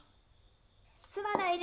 すまないね。